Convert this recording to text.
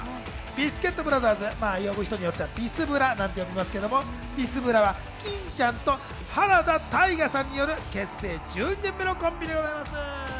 ビスケットブラザーズは呼ぶ人によってはビスブラなんて呼びますけれど、きんちゃんと、原田泰雅さんによる結成１２年目のコンビでございます。